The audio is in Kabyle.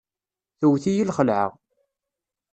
Tewt-iyi lxelεa.